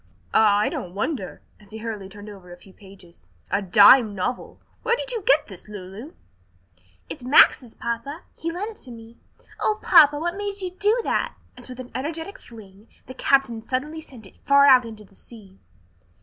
"Ah, I don't wonder!" as he hurriedly turned over a few pages. "A dime novel! Where did you get this, Lulu?" "It's Max's, papa, he lent it to me. O papa, what made you do that?" as with an energetic fling the captain suddenly sent it far out into the sea.